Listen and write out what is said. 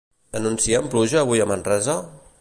Anuncien pluja avui a Manresa?